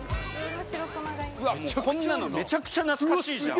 バカリズム：こんなのめちゃくちゃ懐かしいじゃん。